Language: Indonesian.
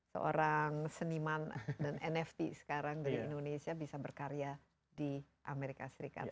seorang seniman dan nft sekarang dari indonesia bisa berkarya di amerika serikat